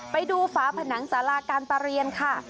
ไปดูฝาผนังสาราการประเรียนค่ะ